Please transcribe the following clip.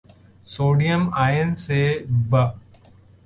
sodium ion سے ب